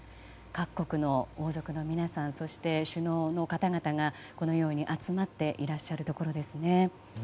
各国の王族の皆さんそして首脳の方々がこのように集まっていらっしゃるところですね。